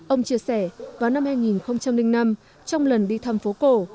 ông chia sẻ vào năm hai nghìn năm trong lần đi thăm phố cổ